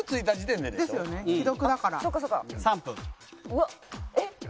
うわっえっ？